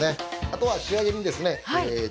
あとは仕上げにですねええ